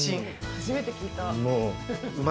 初めて聞いた。